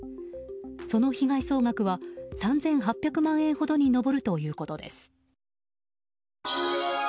その被害総額は３８００万円ほどに上るということです。